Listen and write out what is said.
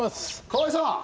川合さん